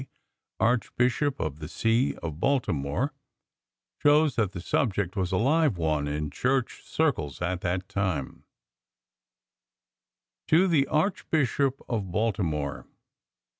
Archbishop of the See of Baltimore, shows that the subject was a live one in Church circles at that time: To the Archbishop of Baltimore.